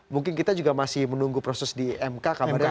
mungkin kita juga masih menunggu proses di mk kabarnya